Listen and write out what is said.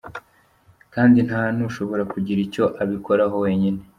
Kandi nta n’ushobora kugira icyo abikoraho wenyine.